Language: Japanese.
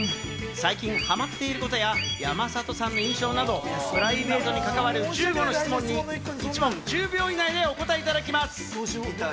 最近ハマっていることや、山里さんの印象など、プライベートに関わる１５の質問に１問１０秒以内でお答えいただきます。